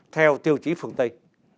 theo tiêu chí phương tây